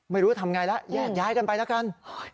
ไม่รู้ทำอย่างไรล่ะแยกย้ายกันไปละกัน